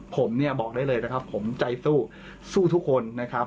ผมเนี่ยบอกได้เลยนะครับผมใจสู้สู้ทุกคนนะครับ